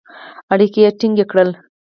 اړیکي یې ټینګ کړل.